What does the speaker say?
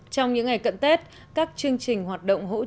trong những ngày cận tết các chương trình hoạt động hỗ trợ người lâu